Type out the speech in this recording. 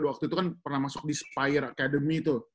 waktu itu kan pernah masuk di spire academy tuh